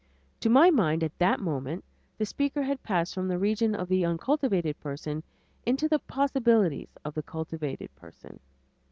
To my mind at that moment the speaker had passed from the region of the uncultivated person into the possibilities of the cultivated person.